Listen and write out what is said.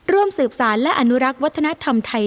ร่วมสืบสารและอนุรักษ์วัฒนธรรมไทย